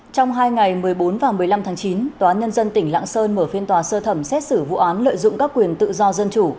trong hai ngày một mươi bốn và một mươi năm tháng chín tòa nhân dân tỉnh lạng sơn mở phiên tòa sơ thẩm xét xử vụ án lợi dụng các quyền tự do dân chủ